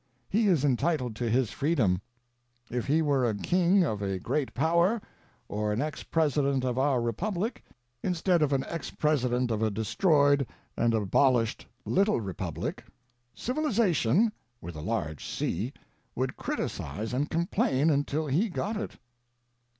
He is entitled to his freedom. If he were a king of a Great Power, or an ex president of our republic, in stead of an ex president of a destroyed and abolished little repub lic, Civilization (with a large C) would criticise and complain until he got it.